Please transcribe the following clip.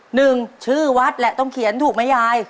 หนึ่งชื่อวัดแหละต้องเขียนถูกไหมยาย